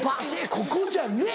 「ここじゃねえ！」。